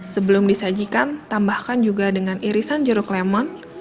sebelum disajikan tambahkan juga dengan irisan jeruk lemon